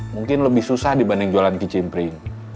mungkin lebih susah dibanding jualan kicim pring